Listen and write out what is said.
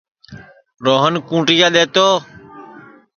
روہن کُونٚٹِیا دؔے تو